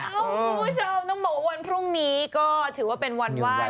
กูชอบต้องบอกว่าวันพรุ่งนี้ก็ถือว่าเป็นวันว่าง